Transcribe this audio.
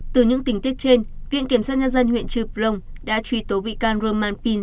từ những tính tiết trên viện kiểm soát nhân dân huyện trư plông đã truy tố bị can rơ mà pin